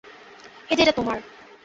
এই যে এটা তোমার।